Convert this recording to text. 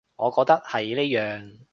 我覺得係呢樣